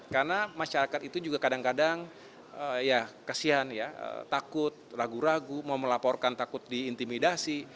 karena masyarakat itu juga kadang kadang ya kesian ya takut ragu ragu mau melaporkan takut diintimidasi